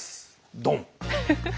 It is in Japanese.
ドン。